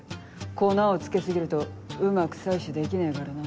粉をつけ過ぎるとうまく採取できねえからな。